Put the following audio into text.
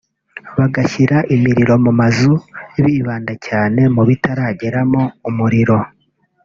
bagashyira imiriro mu mazu bibanda cyane mu bitarageramo umuriro